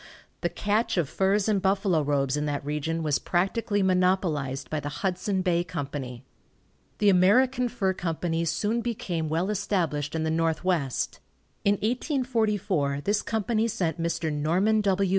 The catch of furs and buffalo robes in that region was practically monopolized by the Hudson Bay Company. The American Fur Company soon became well established in the Northwest. In 1844 this company sent Mr. Norman W.